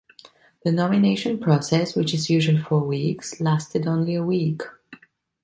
The nomination process, which is usually four weeks, lasted only a week.